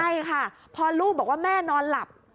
ใช่ค่ะพอลูกบอกว่าแม่นอนหลับ